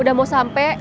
udah mau sampe